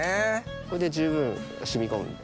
これで十分染み込むんで。